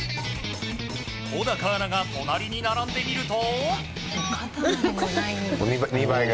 小高アナが隣に並んでみると。